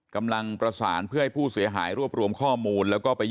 กำลังประสานเพื่อให้ผู้เสียหายรวบรวมข้อมูลแล้วก็ไป